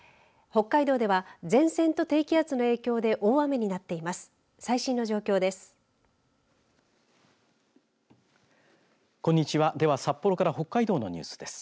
北海道では前線と低気圧の影響で大雨になっています。